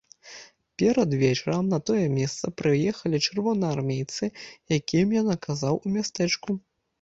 Перад вечарам на тое месца прыехалі чырвонаармейцы, якім я наказаў у мястэчку.